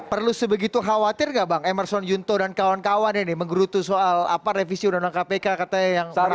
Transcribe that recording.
perlu sebegitu khawatir nggak bang emerson junto dan kawan kawan ini menggerutu soal apa revisi undang undang kpk katanya yang merupakan ini